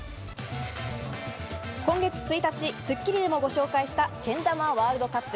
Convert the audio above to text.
今月１日『スッキリ』でもご紹介した、けん玉ワールドカップ。